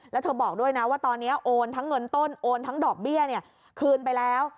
แล้วเธอบอกด้วยนะว่าตอนนี้โอนทั้งเงินต้นโอนทั้งดอกเบี้ยคืนไปแล้ว